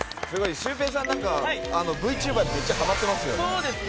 シュウペイさんＶＴｕｂｅｒにめっちゃはまってますよね。